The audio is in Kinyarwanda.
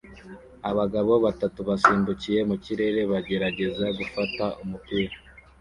Abagabo batatu basimbukiye mu kirere bagerageza gufata umupira